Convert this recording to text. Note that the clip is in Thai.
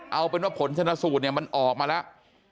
เอาเป็นว่าผลชนะสูตรเนี่ยมันออกมาแล้ว